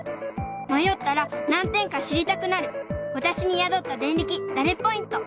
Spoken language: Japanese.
まよったら何点か知りたくなるわたしにやどったデンリキダレッポイント